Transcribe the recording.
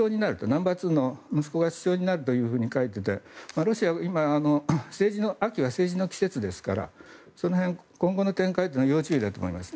ナンバーツーの息子が首相になると書いていてロシアが今秋は政治の季節ですからその辺、今後の展開は要注意だと思います。